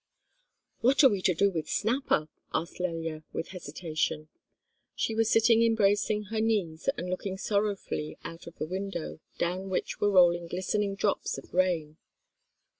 "What are we to do with Snapper?" asked Lelya, with hesitation. She was sitting embracing her knees and looking sorrowfully out of the window, down which were rolling glistening drops of rain.